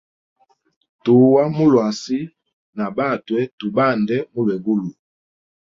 Tua mu luasi, na batwe tu bande mulwegulu.